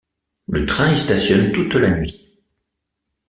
Le train y stationne toute la nuit.